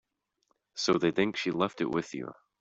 So they think she left it with you.